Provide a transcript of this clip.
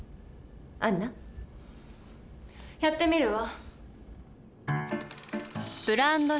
やってみるわ。